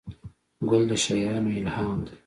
ګل د شاعرانو الهام دی.